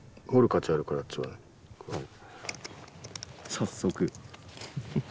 早速。